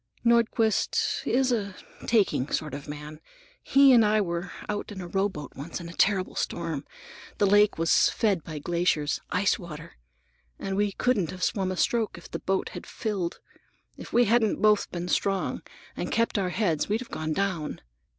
Nordquist is a taking sort of man. He and I were out in a rowboat once in a terrible storm. The lake was fed by glaciers,—ice water,—and we couldn't have swum a stroke if the boat had filled. If we hadn't both been strong and kept our heads, we'd have gone down.